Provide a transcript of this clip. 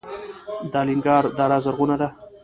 د الینګار دره زرغونه ده